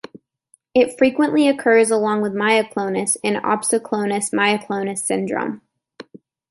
It frequently occurs along with myoclonus in opsoclonus myoclonus syndrome.